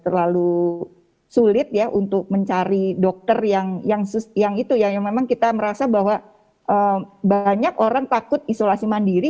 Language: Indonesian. terlalu sulit ya untuk mencari dokter yang itu yang memang kita merasa bahwa banyak orang takut isolasi mandiri